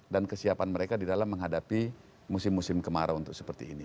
dan kesiapan mereka di dalam menghadapi musim musim kemarau untuk seperti ini